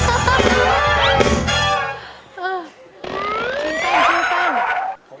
ชื้อแป้ง